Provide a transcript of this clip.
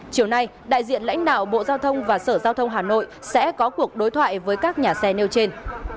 chiều nay đại diện lãnh đạo bộ giao thông và sở giao thông hà nội sẽ có cuộc đối thoại với các nhà xe nêu trên